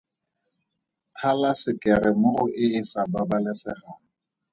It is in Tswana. Thala sekere mo go e e sa babalesegang.